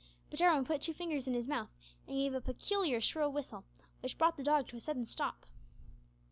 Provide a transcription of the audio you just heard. But Jarwin put two fingers in his mouth and gave a peculiarly shrill whistle, which brought the dog to a sudden stop.